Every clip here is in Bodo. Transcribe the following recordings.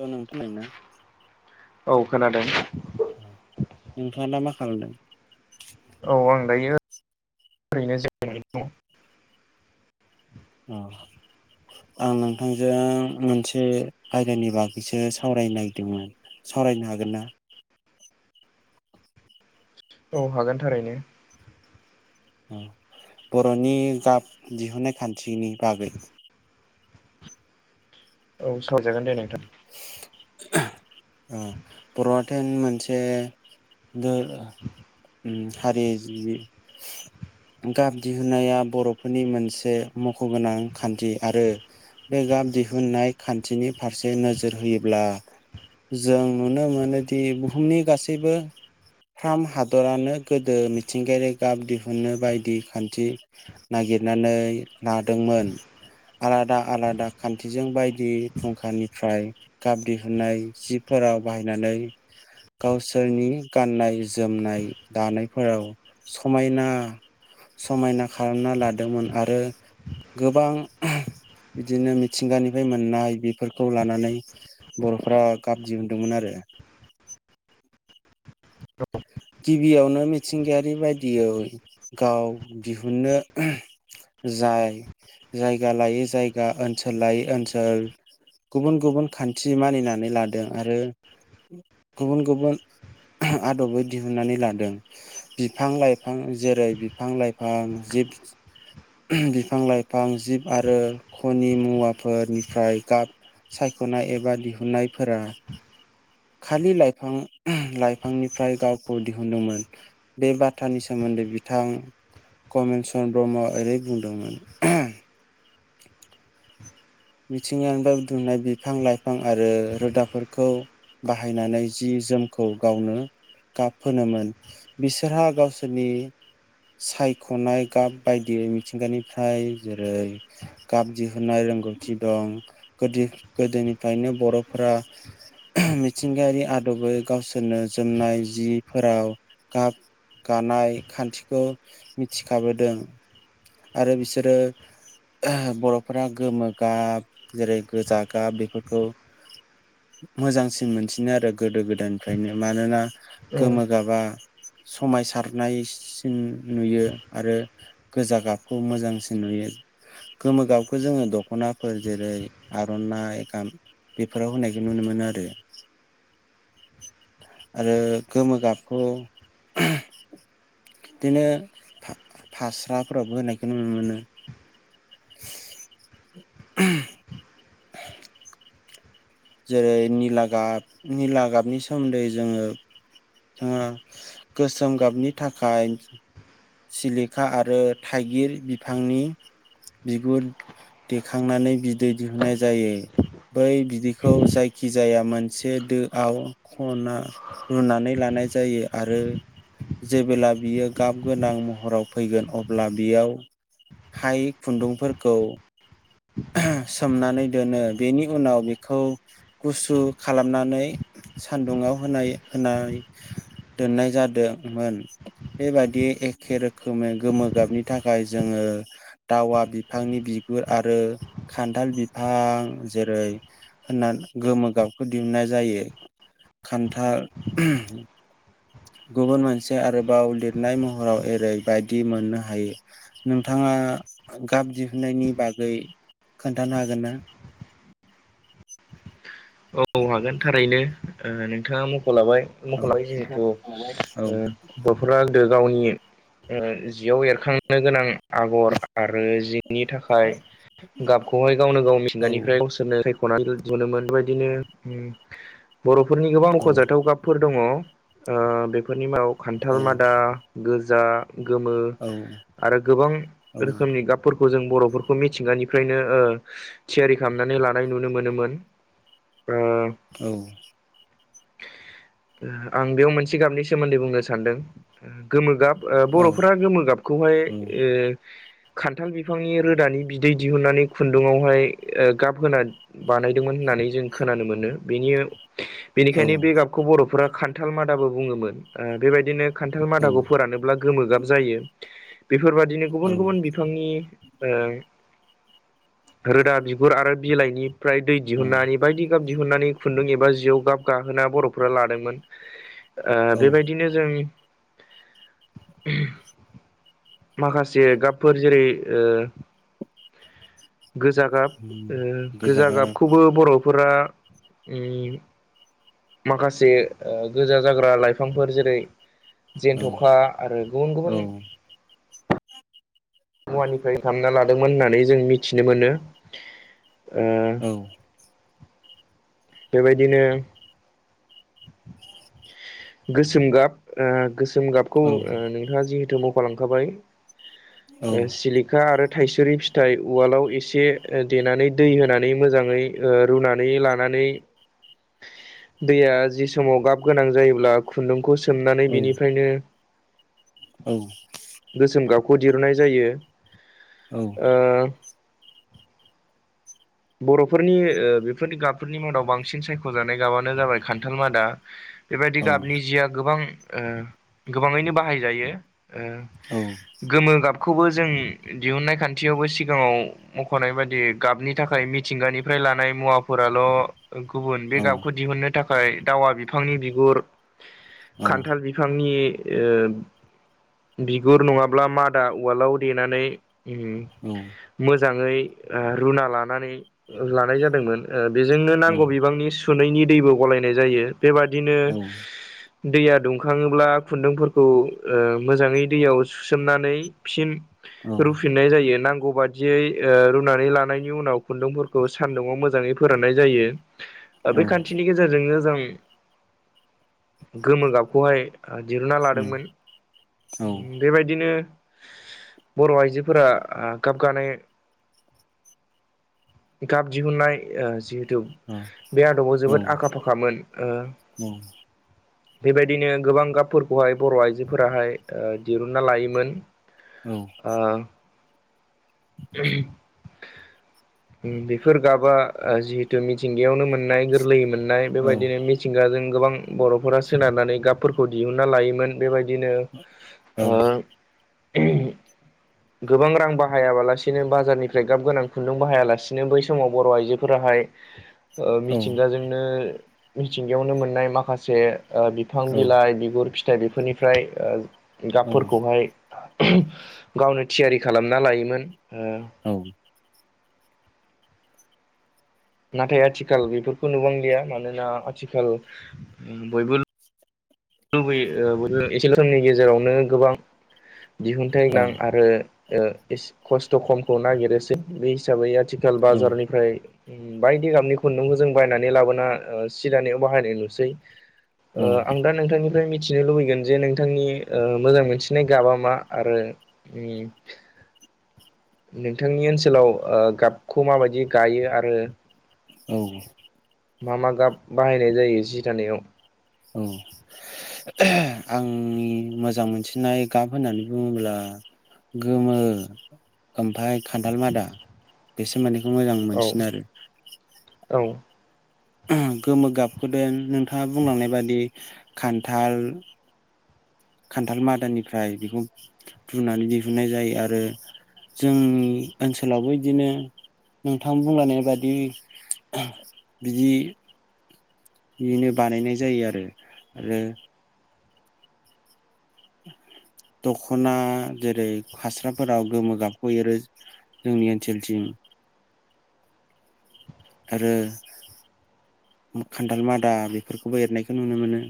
औ नों [unintelligible] औ खोनादों नोंथाङा दा मा खालामदों औ आं दायो ओरैनो जिरायनानै दं अ आं नोंथांजों मोनसे आयदानि बागैसो सावरायनो नागिरदोंमोन सावरायनो हागोनना औ हागोन थारैनो। औ बर'नि गाब दिहुननाय खान्थिनि बागै औ सावजागोन दे नोंथां। [inaudible] बर'आथोन मोनसे [unintelligible] हारि जिबि गाब दिहुननाया बर'फोरनि मोनसे मख' गोनां खान्थि आरो बे गाब दिहुननाय खान्थिनि फारसे नोजोर होयोब्ला जों नुनो मोनोदि बुहुमनि गासैबो फ्राम हादरानो गोदो मिथिंगायारि गाब दिहुननो बायदि खानथि नागिरनानै लादोंमोन आलादा आलादा खान्थिजों बायदि फुंखानिफ्राय गाब दिहुननाय जिफोराव बाहायनानै गावसोरनि गाननाय जोमनाय दानायफोराव समायना समायना खालामना लादोंमोन आरो गोबां बिदिनो मिथिंगानिफ्राय मोननाय बेफोरखौ लानानै बर'फ्रा गाब दिहुनदोंमोन आरो गिबियावनो मिथिंगायारि बायदियै गाव दिहुननो जाय जायगा लायै जायगा ओनसोल लायै ओनसोल गुबुन गुबुन खानथि मानिनानै लादों आरो गुबुन गुबुन आदबै दिहुननानै लादों बिफां लाइफां जेरै बिफां लाइफां जिब बिफां लाइफां जिब आरो खनि मुवाफोरनिफ्राय गाब सायख'नाय एबा दिहुननायफोरा खालि लाइफां लाइफांनिफ्राय गाब खौ दिहुनदोंमोन बे बाथ्रानि सोमोनदै बिथां कमन चन्द्र [unintelligible] ओरै बुंदोंमोन मिथिंगानिफ्राय बुथुमनाय बिफां लाइफां आरो रोदाफोरखौ बाहायनानै जि जोमखौ गावनो गाब फोनोमोन बिसोरहा गावसोरनि सायख'नाय गाब बायदि मिथिंगानिफ्राय जेरै गाब दिहुननाय रोंगौथि दं गोदि गोदोनिफ्रायनो बर'फोरा मिथिंगायारि आदबै गावसोरनो जोमनाय जिफोराव गाब गानाय खानथिखौ मिथिखाबोदों आरो बिसोरो बर'फोरा गोमो गाब जेरै गोजा गाब बेफोरखौ मोजांसिन मोनसिनो आरो गोदो गोदायनिफ्रायनो मानोना गोमो औ गाबा समायसारनायसिन नुयो आरो गोजा गाबखौ मोजांसिन नुयो गोमो गाबखौ जोङो द ख'नाफोर जेरै आर'नाइ गाम बेफोराव होनायखौ नुनो मोनो आरो आरो गोमो गाबखौ बिदिनो फास्राफोरावबो होनायखौ नुनो मोनो। [inaudible] जेरै निलागाब निलागाबनि सोमोन्दै जोङो ओ गोसोम गाबनि थाखाय सिलिखा आरो थाइगिर बिफांनि बिगुर देखांनानै बिदै दिहुननाय जायो। बै बिदैखौ जायखिजाया मोनसे दोआव खना रुनानै लानाय जायो आरो जेबोला बियो गाब गोनां महराव फैगोन अब्ला बेयावहाय खुन्दुंफोरखौ सोमनानै दोनो बेनि उनाव बेखौ गुसु खालामनानै सानदुंङाव होनाय होनाय दोननाय जादोंमोन बेबादि एखे रोखोमै गोमो गाबनि थाखाय जोङो दावा बिफांनि बिगुर आरो खान्थाल बिफां जेरै होनना गोमो गाबखौ दिहुननाय जायो खानथाल गुबुन मोनसे आरोबाव लिरनाय महराव एरै बायदि मोननो हायो। नोंथाङा गाब दिहुननायनि बागै खोन्थानो हागोन ना? औ हागोन थारैनो ओ नोंथाङा मख' लाबाय। औ मख'लांबाय जिहेथु औ ओ [unintelligible] गुफुरा गोदो गावनि उम जियाव एरखां [unintelligible] नो गोनां आगर आरो जिनि थाखाय गाबखौहाय गावनो गाव औ मिथिंगानिफ्राय नो सायख'नानै दिहुनोमोन बेबायदिनो बर'फोरनि गोबां मख'जाथाव गाब फोर दङ ओ बेफोरनि मादाव औ खान्थाल मादा गोजा गोमो औ आरो गोबां रोखोमनि गाब फोरखौ जों बर'फोरखौ मिथिंगानिफ्रायनो थियारि खालामनानै लानाय नुनो मोनोमोन। ओ औ आं बेयाव मोनसे गाबनि सोमोन्दै बुंनो सानदों ओ गोमो गाब ओ बर'फोरा गोमो गाबखौहाय ओ खान्थाल बिफांनि रोदानि बिदै दिहुननानै खुन्दुआवहाय ओ गाबहोना बानायदोंमोन होननानै जों खोनानो मोनो बेनि बेनिखायनो बे गाबखौ बर'फोरा खान थाल मादाबो बुङोमोन ओ बेबायदिनो खानथाल मादाखौ फोरानोब्ला गोमो गाब जायो बेफोरबादिनो औ गुबुन गुबुन बि फांनि ओ रोदा बिगुर आरो बिलाइनि ओमफ्राय दै औ दिहुननानै बायदि गाब दिहुननानै नै खुन्दुं एबा जिव गाब गाहोना बर'फोरा लादोंमोन ओ औ बेबायदिनो जों माखासे गाबफोर जेरै ओ गोजा गाब उम, ओ गोजा गाब गाबखौबो बर'फोरा उम माखासे ओ गोजा जाग्रा लाइफांफोर जेरै औ जेनथ'खा आरो गुबुन औ गुबुन मुवानिफ्राय खालामना लादोंमोन होननानै जों मिथिनो मोनो ओ औ बेबायदिनो गोसोम गाब ओ गोसोम गाब खौ औ नोंथाङा जिहेथु मख'लांखाबाय। औ ओ सिलिखा आरो थाइसुरि फिथाइ उवालाव एसे देनानै दै होनानै मोजाङै ओ रुनानै लानानै [inaudible] दैया जि समाव गाब गोनां जायोब्ला खुन्दुंखौ सोमनानै औ बिनिफ्रायनो औ गोसोम गाबखौ दिहुननाय जायो। औ ओ बर'फोरनि ओ बेफोरनि गाबफोरनि मादाव बांसिन सायख'जानाय गाबानो जाबाय खान्थाल मादा बेबायदि औ गाबनि जिया गोबां ओ गोबाङैनो बाहाय जायो ओ औ गोमो गाबखौबो जों दिहुननाय खान्थियावबो सिगाङाव मख'नाय बायदि गाबनि थाखाय मिथिंगानिफ्राय लानाय मुवाफोराल' गुबुन बे औ गाबखौ दिहुननो थाखाय दावा बिफांनि बिगुर खान्थाल बिफांनि ओ बिगुर नङाब्ला मादा उवालाव देनानै उम उम मोजाङै रुना लानानै लानाय जादोंमोन बेजोंनो औ नांगौ बिबांनि सुनैनि दैबो गलायनाय जायो बेबादिनो औ दैया दुंखाङोब्ला खुन्दुंफोरखौ ओ मोजाङै दैयाव सुसोमनानै फिन औ रुफिननाय जायो नांगौ बादियै ओ रुनानै लानायनि उनाव खुन्दुंफोरखौ सान्दुङाव मोजाङै फोराननाय जायो औ बे खान्थिनि गेजेरजोंनो जों गोमो गाबखौहाय दिरुना लादोंमोन औ बेबायदिनो बर' आइजोफोरा गाबगानाय गाब दिहुननाय जिहेतु बे आदबाव जोबोद आखा फाखामोन ओ उम [inaudible] बेबायदिनो गोबां गाबफोरखौहाय बर' आइजोफोराहाय ओ दिहुनना लायोमोन औ [inaudible] बेफोर गाबा जिहेथु मिथिंगायावनो मोननाय गोरलैयै मोननाय बेबायदिनो मि थिंगाजों गोबां बर'फोरा सोनारनानै गाबफोरखौ दिहुनना लायोमोन बेबायदिनो आ गोबां रां बाहायाबालासिनो बाजारनिफ्राय गाब गोनां खुन्दुं बाहायाला सेनो बै समाव बर' आइजोफोराहाय ओ मिथिंगाजोंनो मिथिंगायावनो मोननाय माखासे बिफां बिलाइ बिगुर फिथाइ बेफोरनिफ्राय गाबफोरखौहाय गावनो थियारि खालामना लायोमोन आ नाथाय आथिखाल बेफोरखौ नुबांलिया मानोना आथिखाल बयबो लुबैयो एसेल' समनि गेजेरावनो गोबां दिहुनथाइ गोनां आरो खस्थ' खमखौ नागिरोसै बे हिसाबै आथिखाल औ बाजारनिफ्राय बायदि गाबनि खुन्दुंखौ जों बायनानै लाबोना सिदानायाव बाहायनाय नुसै औ आं दा नोंथांनिफ्राय मिथिनो लुबैगोन जे नोंथांनि ओ मोजां मोनसिननाय गाबा मा आरो उम नोंथांनि ओनसोलाव गाबखौ माबायदि गायो आरो औ औ मा मा गाब बाहायनाय जायो जि थानायाव औ आंनि मोजां मोनसिननाय गाब होननानै बुङोब्ला गोमो ओमफ्राय खान्थाल मादा बेसोरोन्दैखौ मोजां औ मोनसिन आरो औ गोमो गाबखोदो नोंथाङा बुंलांनाय बादि खान्थाल खान्थाल मादानिफ्राय बेखौ फुनानै दिहुननाय जायो आरो जोंनि ओनसोलावबो बिदिनो नोंथां बुंलायनाय बादि बिदि बिदिनो बानायनाय जायो आरो आरो दख'ना जेरै फास्राफोराव गोमो गाबखौ एरो जोंनि ओनसोलथिं आरो खान्थाल मादा बेफोरखौबो एरनायखौ नुनो मोनो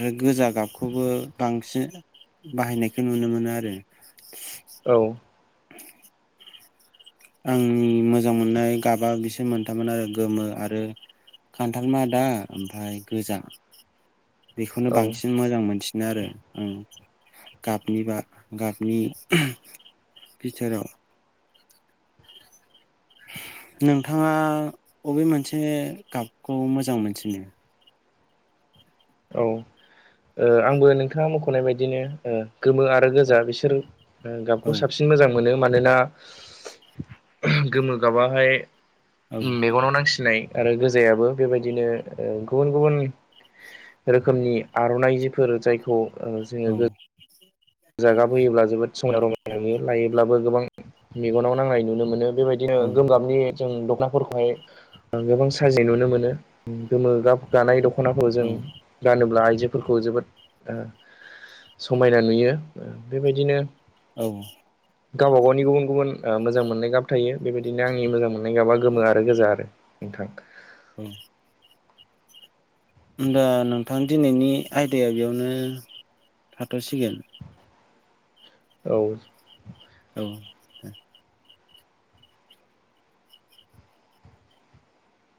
आरो गोजा गाबखौबो बांसिन बाहायनायखौ नुनो मोनो आरो औ आंनि मोजां मोननाय गाबा बिसोर मोनथाममोन आरो गोमो आरो खान्थाल मादा ओमफ्राय गोजा बेखौनो बांसिन औ मोजां मोनसिन बिनो आरो ओं गाबनि बा गाबनि बिथोराव नोंथाङा बबे मोनसे गाबखौ मोजां मोनसिनो औ आंबो नोंथाङा मख'नाय बायदिनो गोमो आर रोजा गोजा बिसोर गाबखौ औ साबसिन बांसिन मोजां मोनो मानोना गोमो गाबाहाय औ मेगनाव नांसिननाय आरो गोजायाबो बेबायदिनो गुबुन गुबुन रोखोमनि आर'नाइ जिफोर जायखौ जोङो गो जागाब फैयोब्ला जोबोद समायना रमायना नुयो लायोब्लाबो गोबां मेगनाव नांनाय नुनो मोनो बेबायदिनो औ गोमो गाबनि जों दख'नाफोरखौहाय गोबां साजि नुनो मोनो गोमो गानाय द खनाखौ जों औ गानोब्ला आइजोफोरखौ जोबोद समायना नुयो बेबायदिनो औ गावबा गावनि गुबुन गुबुन मोजां मोननाय गाब थायो बेबायदिनो आंनि मोजां मोन नाय गाबा गोमो आरो गोजा आरो नोंथां उम होनबा नोंथां दिनैनि आयदाया बेयावनो थाथ'सिगोन औ औ दे।